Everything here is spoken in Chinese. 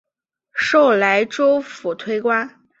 授莱州府推官。